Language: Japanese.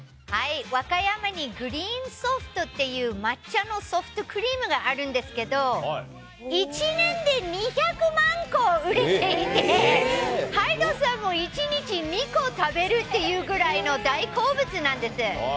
和歌山にグリーンソフトっていう、抹茶のソフトクリームがあるんですけど、１年で２００万個売れていて、ＨＹＤＥさんも１日２個食べるっていうぐらいの大好物なんです。